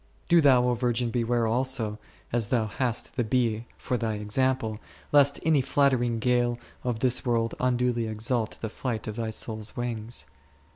Do thou, O virgin, beware also, as thou hast the bee for thy example, lest any flattering gale of this world unduly exalt the flight of thy soul's wings.